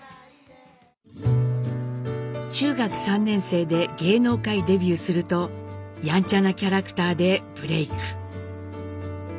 中学３年生で芸能界デビューするとやんちゃなキャラクターでブレーク。